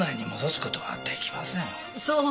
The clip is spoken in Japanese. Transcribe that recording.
そう！